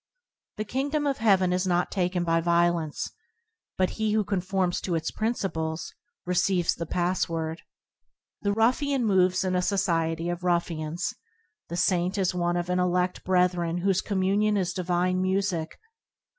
The kingdom of heaven is not taken by violence, but he who conforms to its principles receives the password. The ruffian moves in a soci ety of ruffians; the saint is one of an eleft brethren whose communion is divine music.